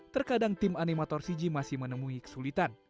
terkadang tim animator cg masih menemui kesulitan